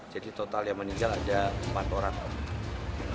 jadi total yang meninggal ada empat orang